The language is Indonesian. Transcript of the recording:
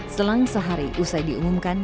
setelah sehari usai diumumkan